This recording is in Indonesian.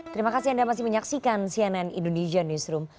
terima kasih anda masih menyaksikan cnn indonesia newsroom